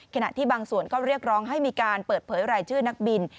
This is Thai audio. ขณะที่บางส่วนก็เรียกร้องให้มีการเปิดเผยรายชื่อนักบิน